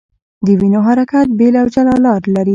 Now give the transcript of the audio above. د وینو حرکت بېل او جلا لار لري.